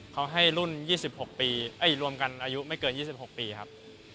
เขาให้รุ่น๒๖ปีรวมกันอายุไม่เกิน๒๖ปีครับ